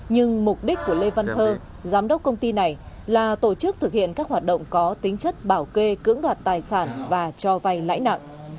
nhưng mục đích của lê văn thơ giám đốc công ty này là tổ chức thực hiện các hoạt động có tính chất bảo kê cưỡng đoạt tài sản và cho vay lãi nặng